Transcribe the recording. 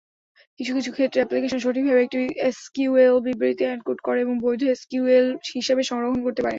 কিছু কিছু ক্ষেত্রে, অ্যাপ্লিকেশন সঠিকভাবে একটি এসকিউএল বিবৃতি এনকোড করে এবং বৈধ এসকিউএল হিসাবে সংরক্ষণ করতে পারে।